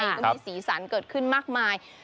มีศีรษรรค์เกิดขึ้นมากมาย